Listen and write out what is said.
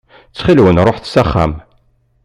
Ttxil-wen ruḥet s axxam.